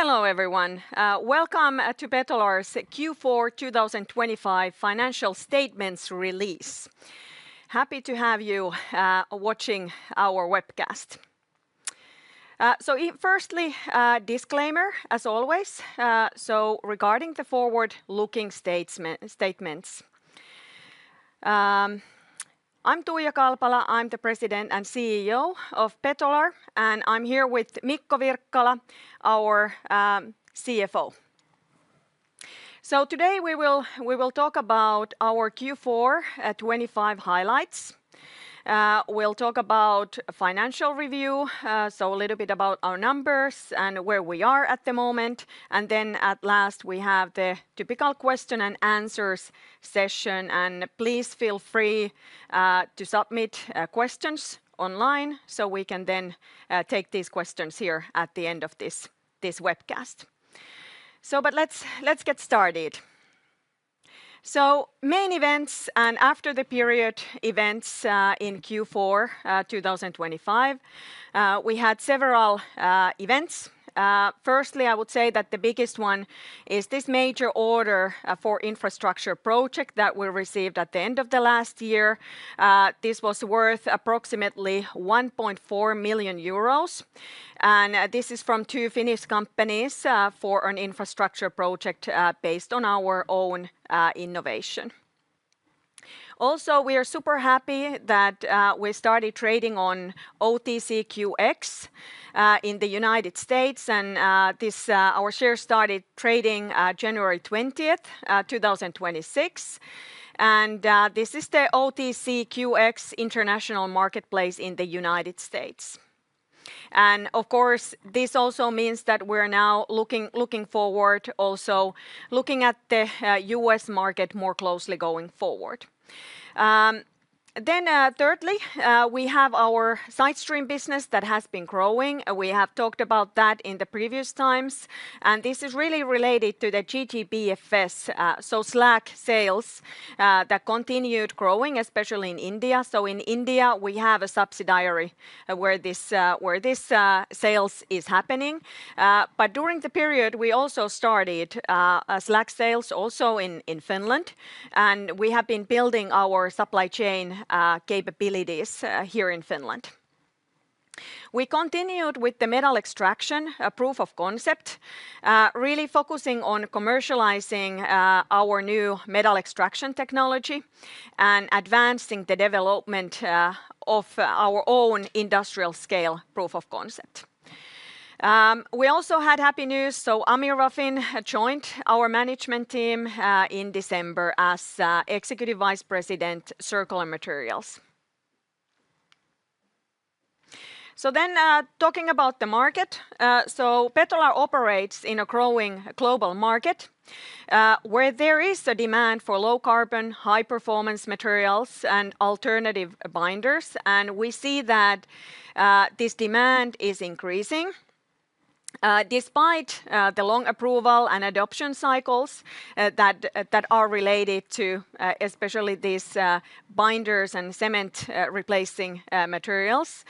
Hello, everyone. Welcome to Betolar's Q4 2025 financial statements release. Happy to have you watching our webcast. First, a disclaimer, as always, regarding the forward-looking statements. I'm Tuija Kalpala. I'm the President and CEO of Betolar, and I'm here with Mikko Wirkkala, our CFO. So today we will talk about our Q4 2025 highlights. We'll talk about financial review, so a little bit about our numbers and where we are at the moment, and then lastly, we have the typical question and answers session, and please feel free to submit questions online, so we can then take these questions here at the end of this webcast. But let's get started. So main events, and after the period events, in Q4 2025, we had several events. Firstly, I would say that the biggest one is this major order for infrastructure project that we received at the end of the last year. This was worth approximately 1.4 million euros, and this is from two Finnish companies for an infrastructure project based on our own innovation. Also, we are super happy that we started trading on OTCQX in the United States, and this our shares started trading January 20th 2026, and this is the OTCQX international marketplace in the United States. And of course, this also means that we're now looking, looking forward, also looking at the US market more closely going forward. Then, thirdly, we have our side stream business that has been growing. We have talked about that in the previous times, and this is really related to the GGBFS, so slag sales that continued growing, especially in India. So in India, we have a subsidiary where this sales is happening. But during the period, we also started slag sales also in Finland, and we have been building our supply chain capabilities here in Finland. We continued with the metal extraction, a proof of concept, really focusing on commercializing our new metal extraction technology and advancing the development of our own industrial-scale proof of concept. We also had happy news, so Amel Furtat joined our management team in December as Executive Vice President, Circular Materials. So then, talking about the market, so Betolar operates in a growing global market where there is a demand for low-carbon, high-performance materials and alternative binders, and we see that this demand is increasing despite the long approval and adoption cycles that are related to especially these binders and cement replacing materials.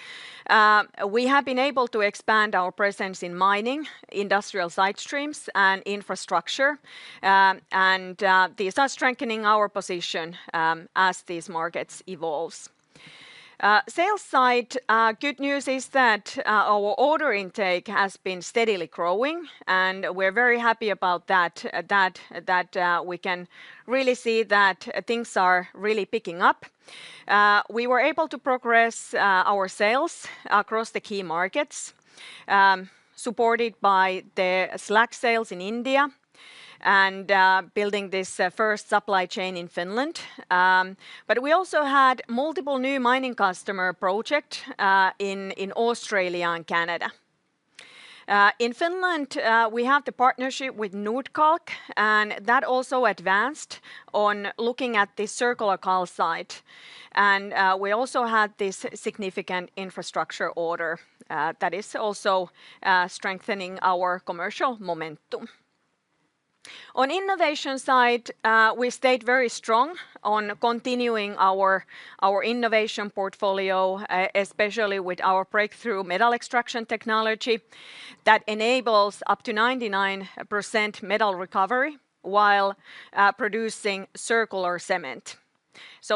We have been able to expand our presence in mining, industrial side streams, and infrastructure, and these are strengthening our position as these markets evolves. Sales side, good news is that our order intake has been steadily growing, and we're very happy about that, we can really see that things are really picking up. We were able to progress our sales across the key markets, supported by the slag sales in India and building this first supply chain in Finland. But we also had multiple new mining customer project in Australia and Canada. In Finland, we have the partnership with Nordkalk, and that also advanced on looking at the circular calcite. We also had this significant infrastructure order that is also strengthening our commercial momentum. On innovation side, we stayed very strong on continuing our innovation portfolio, especially with our breakthrough metal extraction technology that enables up to 99% metal recovery while producing circular cement.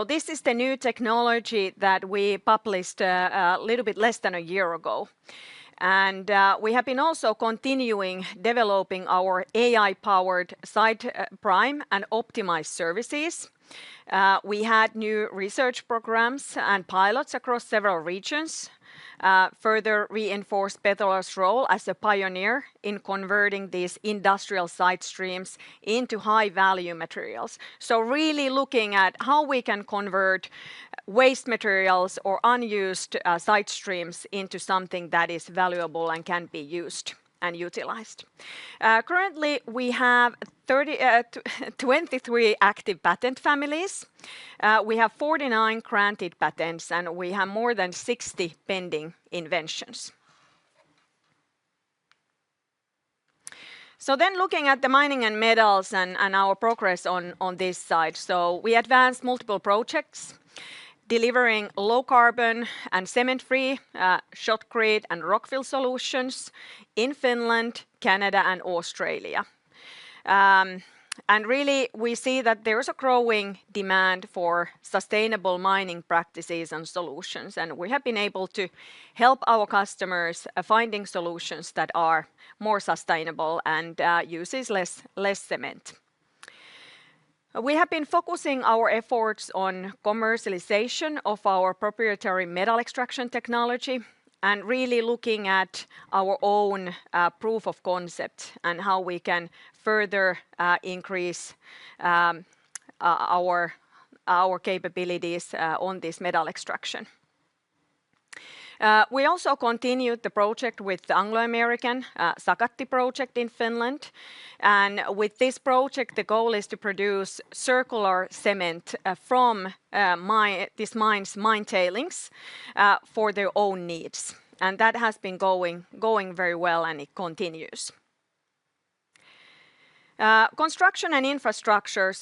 This is the new technology that we published a little bit less than a year ago. We have been also continuing developing our AI-powered Geoprime and optimized services. We had new research programs and pilots across several regions, further reinforced Betolar's role as a pioneer in converting these industrial side streams into high-value materials. So really looking at how we can convert waste materials or unused side streams into something that is valuable and can be used and utilized. Currently, we have 23 active patent families. We have 49 granted patents, and we have more than 60 pending inventions. So then looking at the mining and metals and our progress on this side. So we advanced multiple projects, delivering low carbon and cement-free shotcrete and rockfill solutions in Finland, Canada, and Australia. And really, we see that there is a growing demand for sustainable mining practices and solutions, and we have been able to help our customers finding solutions that are more sustainable and uses less cement. We have been focusing our efforts on commercialization of our proprietary metal extraction technology, and really looking at our own proof of concept, and how we can further increase our capabilities on this metal extraction. We also continued the project with the Anglo American Sakatti project in Finland, and with this project, the goal is to produce circular cement from these mines' mine tailings for their own needs, and that has been going very well and it continues. Construction and infrastructure,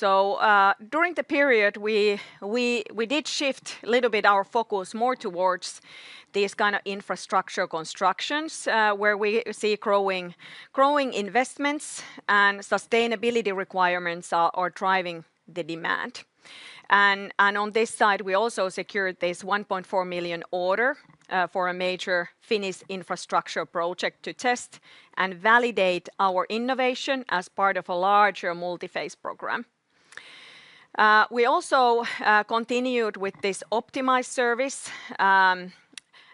during the period, we did shift a little bit our focus more towards these kind of infrastructure constructions, where we see growing investments and sustainability requirements are driving the demand. On this side, we also secured this 1.4 million order for a major Finnish infrastructure project to test and validate our innovation as part of a larger multi-phase program. We also continued with this optimized service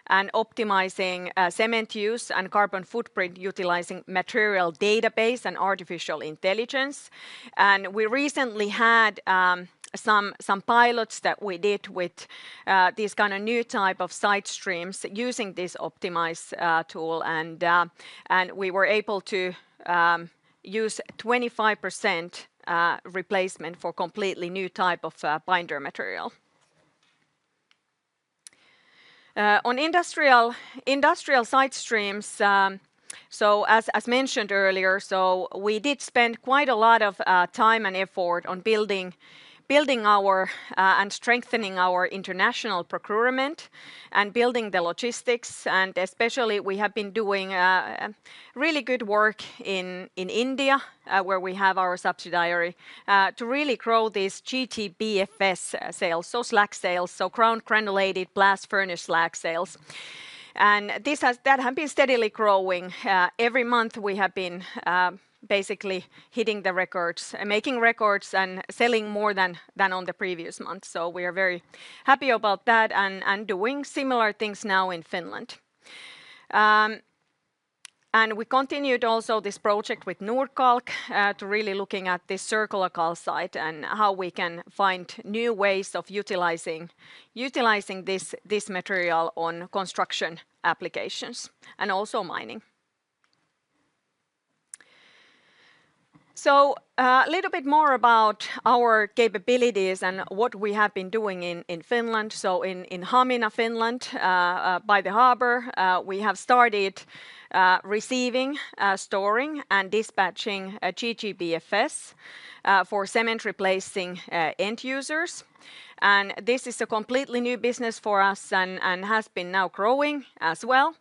and optimizing cement use and carbon footprint utilizing material database and artificial intelligence. We recently had some pilots that we did with these kind of new type of side streams using this optimized tool, and we were able to use 25% replacement for completely new type of binder material. On industrial side streams, as mentioned earlier, we did spend quite a lot of time and effort on building our and strengthening our international procurement, and building the logistics, and especially, we have been doing really good work in India, where we have our subsidiary to really grow this GGBFS sales, so slag sales, so ground granulated blast furnace slag sales, and this has... That has been steadily growing. Every month, we have been basically hitting the records, making records and selling more than on the previous month. So we are very happy about that, and doing similar things now in Finland. And we continued also this project with Nordkalk to really looking at this circular calcite, and how we can find new ways of utilizing this material on construction applications, and also mining. So, a little bit more about our capabilities and what we have been doing in Finland. So in Hamina, Finland, by the harbor, we have started receiving, storing, and dispatching GGBFS for cement-replacing end users, and this is a completely new business for us, and has been now growing as well.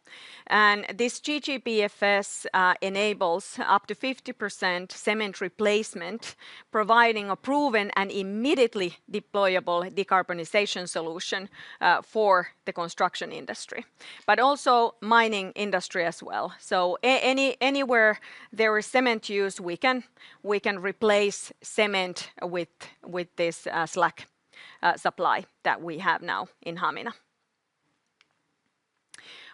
And this GGBFS enables up to 50% cement replacement, providing a proven and immediately deployable decarbonization solution for the construction industry, but also mining industry as well. So anywhere there is cement used, we can replace cement with this slag supply that we have now in Hamina.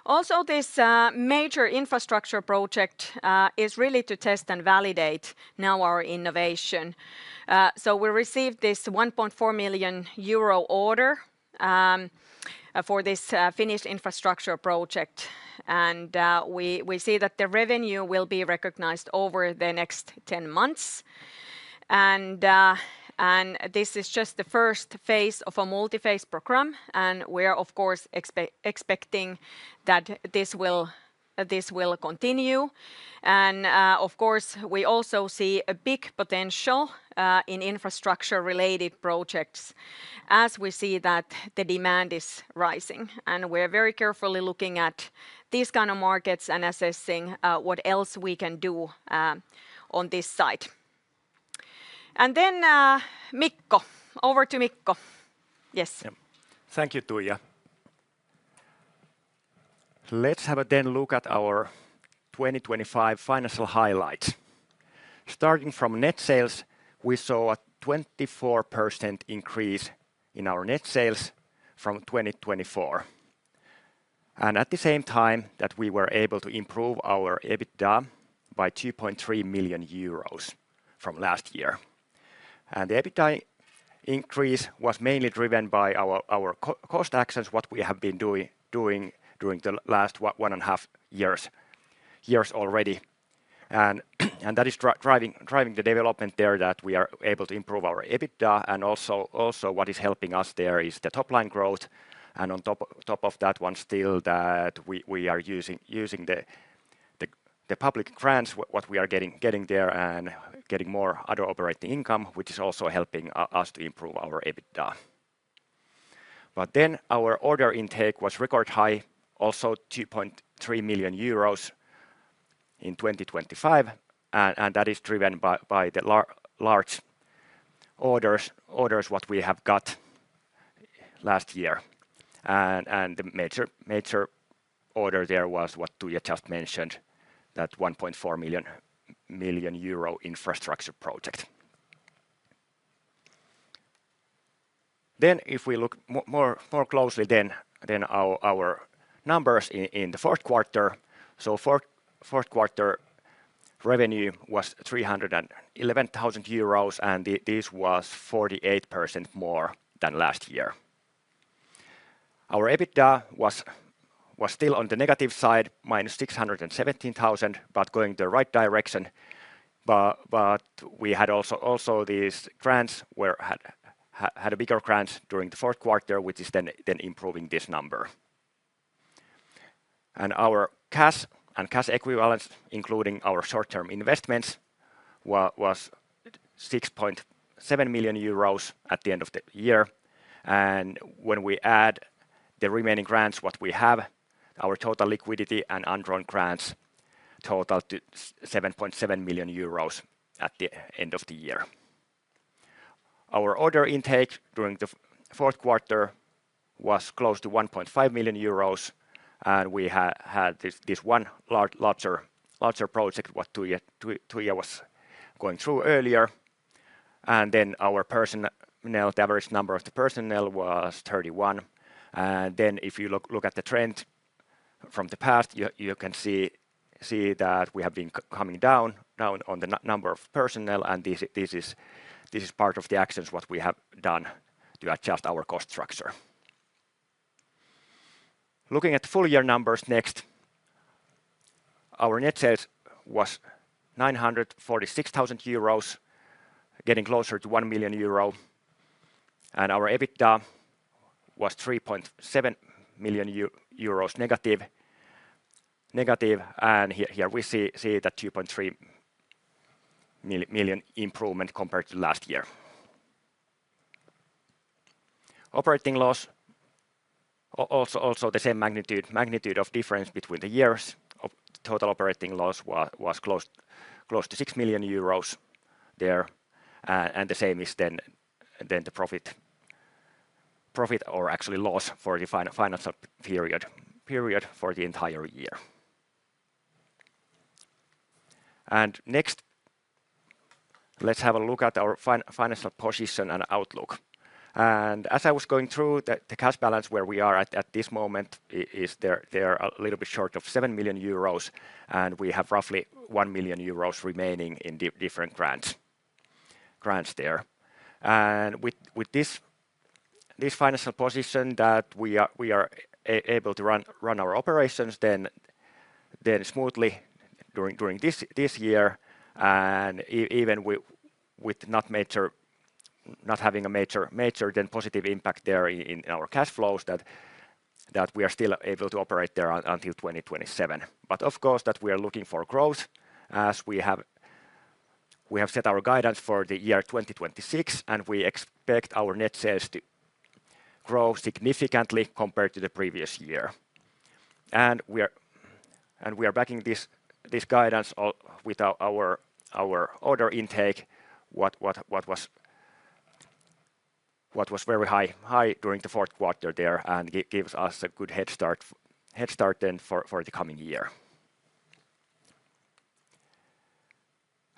Also, this major infrastructure project is really to test and validate now our innovation. So we received this 1.4 million euro order for this Finnish infrastructure project, and we see that the revenue will be recognized over the next 10 months, and this is just the first phase of a multi-phase program, and we are, of course, expecting that this will continue. And, of course, we also see a big potential in infrastructure-related projects as we see that the demand is rising, and we're very carefully looking at these kind of markets and assessing what else we can do on this side. And then, Mikko. Over to Mikko. Yes. Yep. Thank you, Tuija. Let's have a then look at our 2025 financial highlights. Starting from net sales, we saw a 24% increase in our net sales from 2024, and at the same time, that we were able to improve our EBITDA by 2.3 million euros from last year. And the EBITDA increase was mainly driven by our cost actions, what we have been doing during the last one and a half years already. And that is driving the development there, that we are able to improve our EBITDA, and also what is helping us there is the top line growth, and on top of that one still, that we are using the-... the public grants what we are getting there and getting more other operating income, which is also helping us to improve our EBITDA. But then our order intake was record high, also 2.3 million euros in 2025, and that is driven by the large orders what we have got last year. And the major order there was what Tuija just mentioned, that 1.4 million euro infrastructure project. Then if we look more closely, then our numbers in the fourth quarter, so fourth quarter revenue was 311,000 euros, and this was 48% more than last year. Our EBITDA was still on the negative side, minus 617,000, but going the right direction. But we had also these grants, we had bigger grants during the fourth quarter, which is then improving this number. Our cash and cash equivalents, including our short-term investments, was 6.7 million euros at the end of the year. When we add the remaining grants what we have, our total liquidity and undrawn grants total to 7.7 million euros at the end of the year. Our order intake during the fourth quarter was close to 1.5 million euros, and we had this one larger project, what Tuija was going through earlier. Then our personnel, the average number of the personnel was 31. And then if you look at the trend from the past, you can see that we have been coming down on the number of personnel, and this is part of the actions what we have done to adjust our cost structure. Looking at the full year numbers next, our net sales was 946 thousand euros, getting closer to 1 million euro, and our EBITDA was 3.7 million euros negative, and here we see the 2.3 million improvement compared to last year. Operating loss also the same magnitude of difference between the years of total operating loss was close to 6 million euros there, and the same is then the profit or actually loss for the financial period for the entire year. Next, let's have a look at our financial position and outlook. As I was going through the cash balance, where we are at this moment, it's a little bit short of 7 million euros, and we have roughly 1 million euros remaining in different grants there. With this financial position that we are able to run our operations smoothly during this year, and even with not having a major positive impact in our cash flows, we are still able to operate until 2027. But of course, we are looking for growth, as we have set our guidance for the year 2026, and we expect our net sales to grow significantly compared to the previous year. We are backing this guidance with our order intake, which was very high during the fourth quarter there, and gives us a good head start then for the coming year.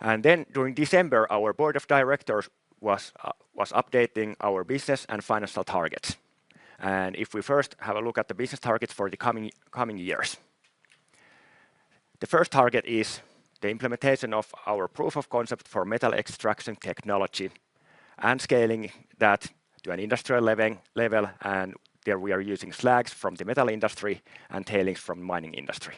Then during December, our board of directors was updating our business and financial targets. If we first have a look at the business targets for the coming years. The first target is the implementation of our proof of concept for metal extraction technology and scaling that to an industrial level, and there we are using slags from the metal industry and tailings from mining industry.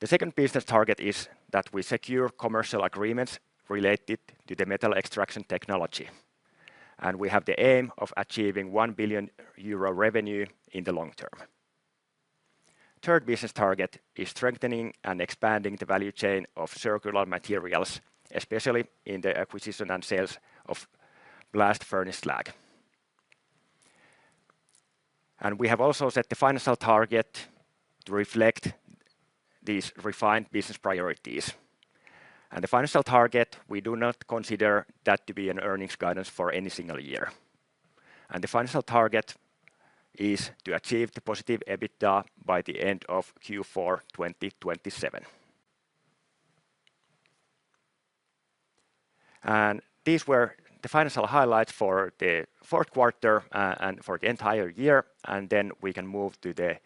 The second business target is that we secure commercial agreements related to the metal extraction technology, and we have the aim of achieving 1 billion euro revenue in the long term. Third business target is strengthening and expanding the value chain of circular materials, especially in the acquisition and sales of blast furnace slag. We have also set the financial target to reflect these refined business priorities. The financial target, we do not consider that to be an earnings guidance for any single year. The financial target is to achieve the positive EBITDA by the end of Q4 2027. These were the financial highlights for the fourth quarter and for the entire year, and then we can move to the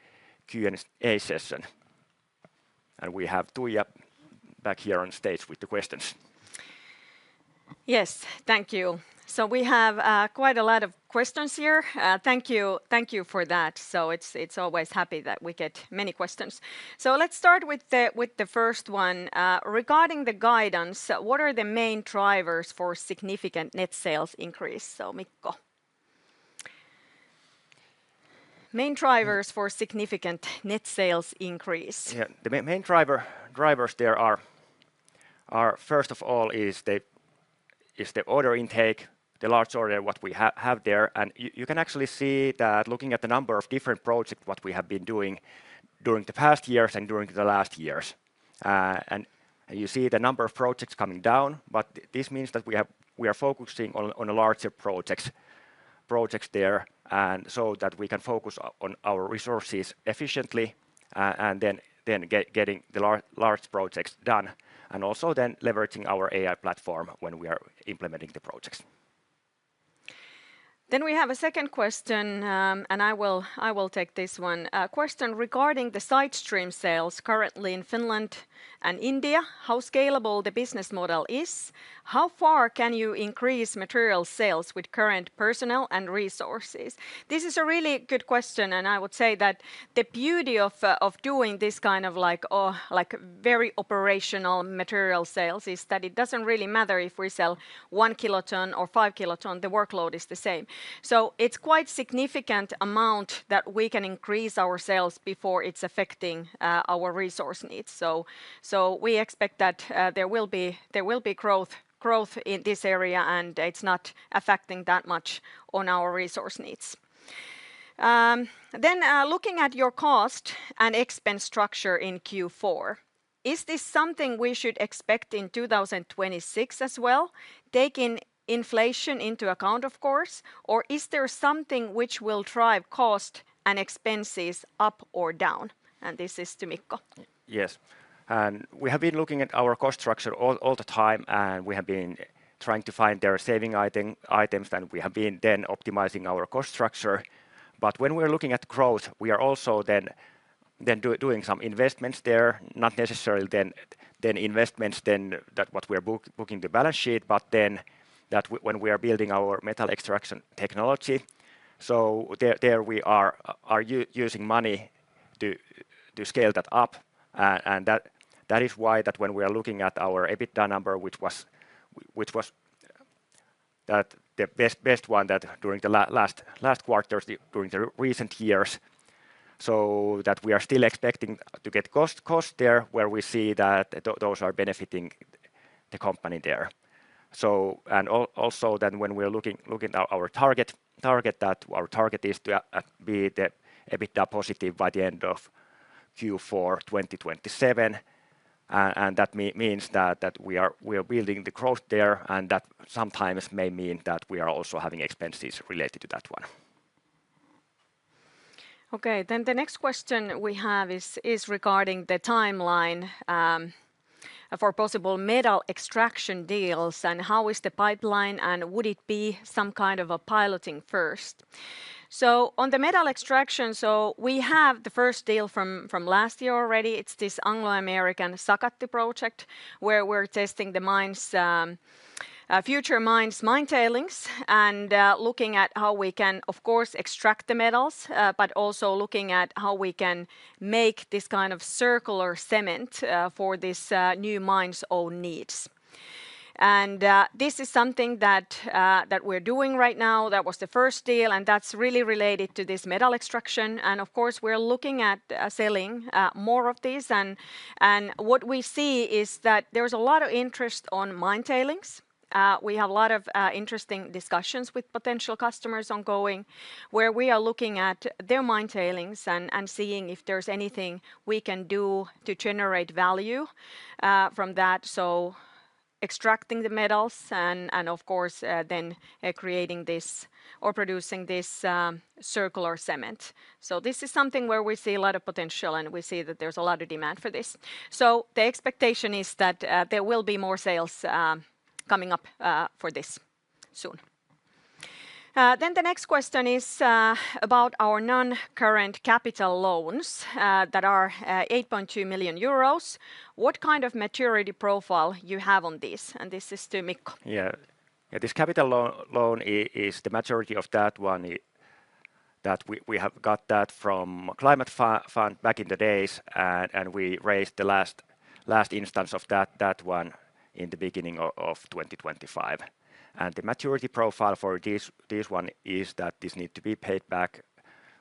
Q&A session. We have Tuija back here on stage with the questions. Yes, thank you. So we have quite a lot of questions here. Thank you, thank you for that. So it's always happy that we get many questions. So let's start with the first one: "Regarding the guidance, what are the main drivers for significant net sales increase?" So Mikko?... Main drivers for significant net sales increase? Yeah, the main drivers there are first of all the order intake, the large order what we have there, and you can actually see that looking at the number of different projects what we have been doing during the past years and during the last years. And you see the number of projects coming down, but this means that we have, we are focusing on larger projects, projects there, and so that we can focus on our resources efficiently, and then getting the large projects done, and also then leveraging our AI platform when we are implementing the projects. Then we have a second question, and I will, I will take this one. Question regarding the side stream sales currently in Finland and India, how scalable the business model is? How far can you increase material sales with current personnel and resources? This is a really good question, and I would say that the beauty of doing this kind of like, like very operational material sales, is that it doesn't really matter if we sell 1 kiloton or 5 kiloton, the workload is the same. So it's quite significant amount that we can increase our sales before it's affecting our resource needs. So we expect that there will be growth in this area, and it's not affecting that much on our resource needs. Then, looking at your cost and expense structure in Q4, is this something we should expect in 2026 as well, taking inflation into account, of course, or is there something which will drive cost and expenses up or down? And this is to Mikko. Yes, and we have been looking at our cost structure all the time, and we have been trying to find there saving items, and we have been then optimizing our cost structure. But when we're looking at growth, we are also then doing some investments there, not necessarily then investments then that what we're booking the balance sheet, but then that when we are building our Metal Extraction Technology. So there we are using money to scale that up, and that is why that when we are looking at our EBITDA number, which was which was... That the best one, that during the last quarters, during the recent years, so that we are still expecting to get cost there, where we see that those are benefiting the company there. Also, then when we are looking at our target, that our target is to be EBITDA positive by the end of Q4 2027, and that means that we are building the growth there, and that sometimes may mean that we are also having expenses related to that one. Okay, then the next question we have is regarding the timeline for possible metal extraction deals, and how is the pipeline, and would it be some kind of a piloting first? So on the metal extraction, we have the first deal from last year already. It's this Anglo American Sakatti project, where we're testing the mine's future mine's mine tailings, and looking at how we can, of course, extract the metals, but also looking at how we can make this kind of circular cement for this new mine's own needs. And this is something that we're doing right now. That was the first deal, and that's really related to this metal extraction, and of course, we're looking at selling more of these, and what we see is that there's a lot of interest on mine tailings. We have a lot of interesting discussions with potential customers ongoing, where we are looking at their mine tailings and seeing if there's anything we can do to generate value from that. So extracting the metals and of course then creating this or producing this circular cement. So this is something where we see a lot of potential, and we see that there's a lot of demand for this. So the expectation is that there will be more sales coming up for this soon. Then the next question is about our non-current capital loans that are 8.2 million euros. What kind of maturity profile you have on this? And this is to Mikko. Yeah. Yeah, this capital loan is the majority of that one, that we have got that from Climate Fund back in the days, and we raised the last instance of that one in the beginning of 2025. The maturity profile for this one is that this need to be paid back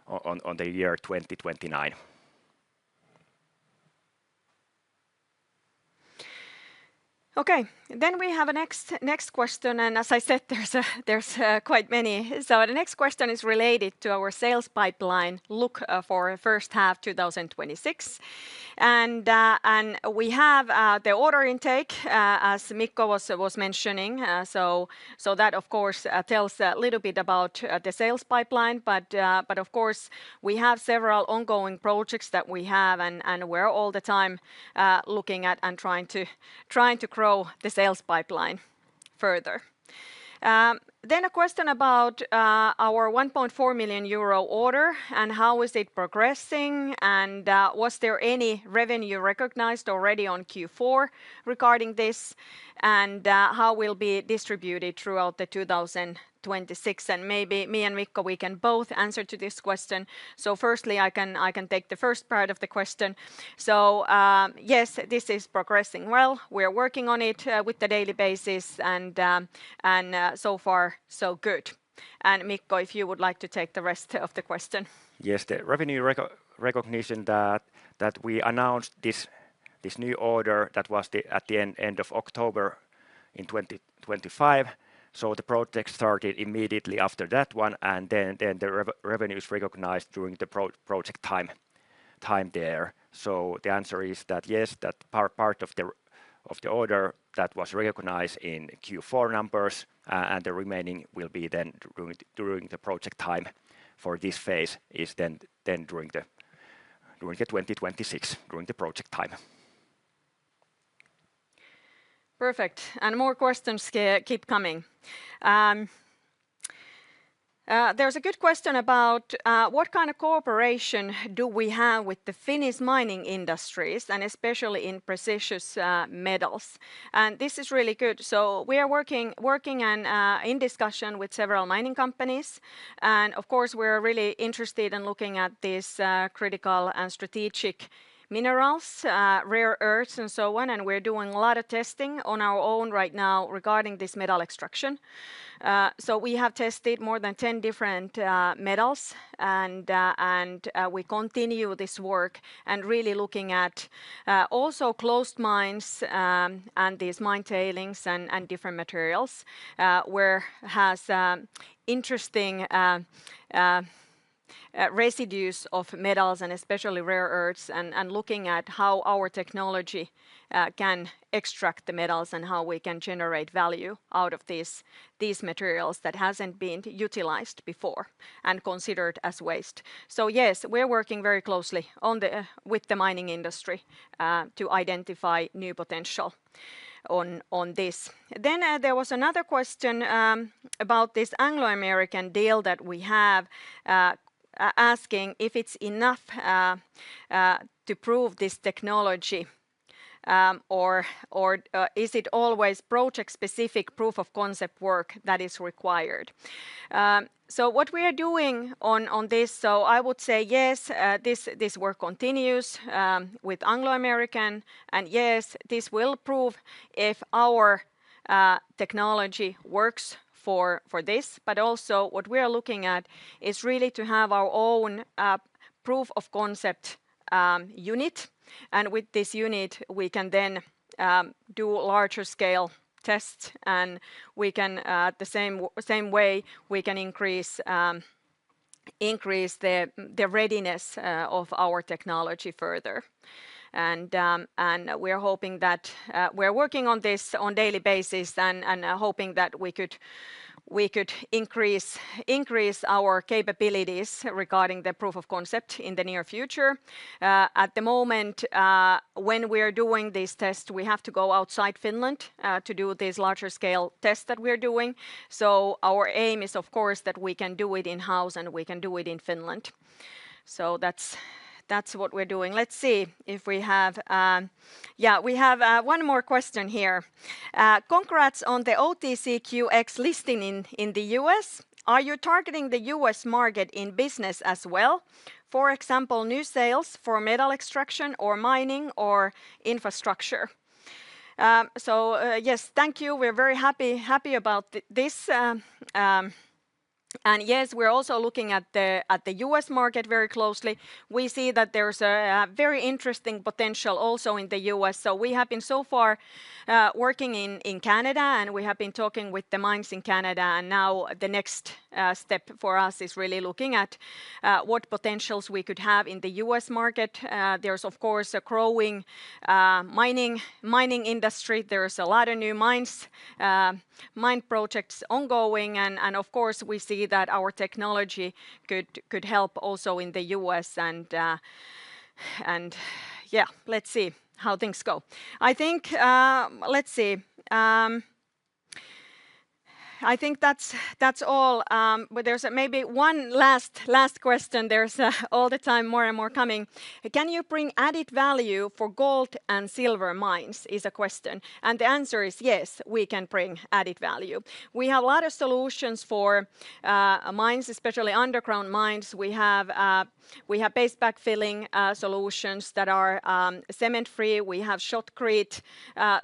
on the year 2029. Okay. Then we have a next question, and as I said, there's quite many. So the next question is related to our sales pipeline look for first half 2026. And we have the order intake, as Mikko was mentioning, so that of course tells a little bit about the sales pipeline, but of course, we have several ongoing projects that we have, and we're all the time looking at and trying to grow the sales pipeline further. Then a question about our 1.4 million euro order, and how is it progressing, and was there any revenue recognized already on Q4 regarding this, and how will be distributed throughout the 2026? And maybe me and Mikko, we can both answer to this question. So firstly, I can take the first part of the question. Yes, this is progressing well. We are working on it with the daily basis, and so far, so good. And Mikko, if you would like to take the rest of the question. Yes, the revenue recognition that we announced this new order, that was at the end of October 2025, so the project started immediately after that one, and then the revenue is recognized during the project time there. So the answer is that, yes, that part of the order that was recognized in Q4 numbers, and the remaining will be then during the project time for this phase, is then during 2026, during the project time. Perfect, and more questions keep coming. There's a good question about what kind of cooperation do we have with the Finnish mining industries, and especially in precious metals? And this is really good. So we are working, and in discussion with several mining companies, and of course, we're really interested in looking at these critical and strategic minerals, rare earths, and so on, and we're doing a lot of testing on our own right now regarding this metal extraction. So we have tested more than 10 different metals, and we continue this work, and really looking at also closed mines, and these mine tailings and different materials which have interesting residues of metals, and especially rare earths, and looking at how our technology can extract the metals, and how we can generate value out of these materials that hasn't been utilized before and considered as waste. So yes, we're working very closely with the mining industry to identify new potential on this. Then there was another question about this Anglo American deal that we have, asking if it's enough to prove this technology, or is it always project-specific proof of concept work that is required? So what we are doing on this, I would say, yes, this work continues with Anglo American, and yes, this will prove if our technology works for this. But also, what we are looking at is really to have our own proof of concept unit, and with this unit, we can then do larger scale tests, and we can. The same way, we can increase the readiness of our technology further. And we are hoping that we're working on this on daily basis and hoping that we could increase our capabilities regarding the proof of concept in the near future. At the moment, when we're doing these tests, we have to go outside Finland to do these larger scale tests that we're doing. So our aim is, of course, that we can do it in-house, and we can do it in Finland. So that's, that's what we're doing. Let's see if we have. Yeah, we have one more question here. "Congrats on the OTCQX listing in the US. Are you targeting the US market in business as well? For example, new sales for metal extraction or mining or infrastructure?" Yes, thank you. We're very happy, happy about this, and yes, we're also looking at the US market very closely. We see that there's a very interesting potential also in the US, so we have been so far working in Canada, and we have been talking with the mines in Canada, and now the next step for us is really looking at what potentials we could have in the US market. There's, of course, a growing mining industry. There's a lot of new mines, mine projects ongoing, and, of course, we see that our technology could help also in the US, and yeah, let's see how things go. I think... Let's see. I think that's all, but there's maybe one last question. There's all the time more and more coming. Can you bring added value for gold and silver mines?" is a question, and the answer is yes, we can bring added value. We have a lot of solutions for mines, especially underground mines. We have paste backfilling solutions that are cement-free. We have shotcrete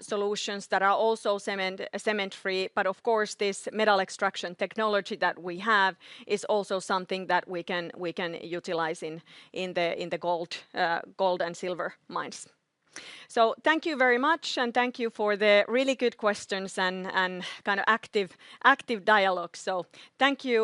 solutions that are also cement-free, but of course, this metal extraction technology that we have is also something that we can utilize in the gold and silver mines. So thank you very much, and thank you for the really good questions and kind of active dialogue. So thank you!